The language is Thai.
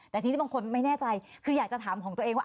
แต่ทีนี้บางคนไม่แน่ใจคืออยากจะถามของตัวเองว่า